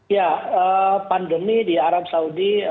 ya pandemi di arab saudi